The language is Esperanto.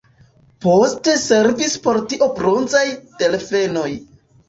Poste servis por tio bronzaj delfenoj.